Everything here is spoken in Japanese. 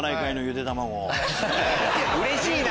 うれしいな！